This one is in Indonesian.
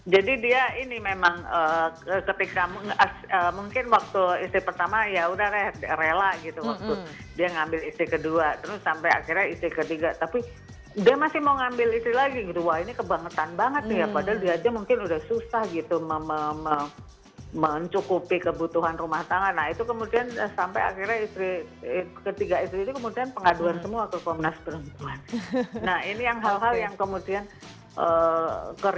jadi ini adalah hal yang sangat penting